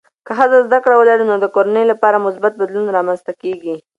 که ښځه زده کړه ولري، نو د کورنۍ لپاره مثبت بدلون رامنځته کېږي.